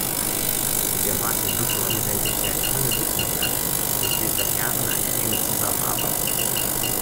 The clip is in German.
Mit der Martin-Luther-Universität Halle-Wittenberg besteht seit Jahren eine enge Zusammenarbeit.